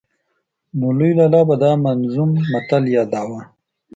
نو لوی لالا به دا منظوم متل ياداوه.